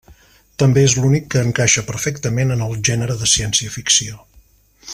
També és l'únic que encaixa perfectament en el gènere de ciència-ficció.